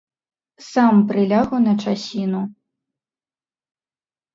Сам прылягу на часіну.